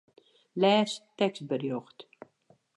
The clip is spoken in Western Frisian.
Lês tekstberjocht.